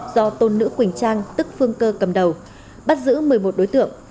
do tôn nữ quỳnh trang tức phương cơ cầm đầu bắt giữ một mươi một đối tượng